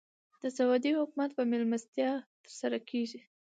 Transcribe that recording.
د سعودي حکومت په مېلمستیا تر سره کېږي.